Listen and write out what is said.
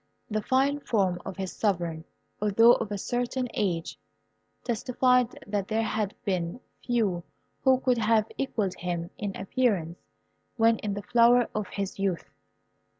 The fine form of this sovereign, although of a certain age, testified that there had been few who could have equalled him in appearance when in the flower of his youth.